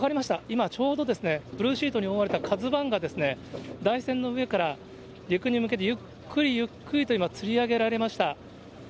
今、ちょうどですね、ブルーシートに覆われたＫＡＺＵＩが、台船の上から陸に向けてゆっくりゆっくりと今、つり上げられました。